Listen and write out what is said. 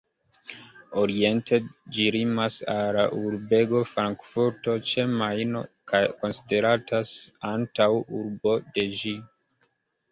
Oriente ĝi limas al la urbego Frankfurto ĉe Majno, kaj konsideratas antaŭurbo de ĝi.